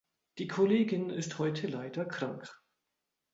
Die Kollegin ist heute leider krank.